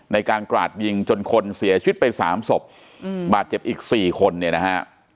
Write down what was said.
ในการกราดยิงจนคนเสียชีวิตไปสามศพบาดเจ็บอีก๔คนเนี่ยนะฮะ